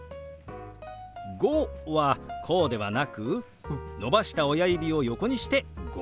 「５」はこうではなく伸ばした親指を横にして「５」。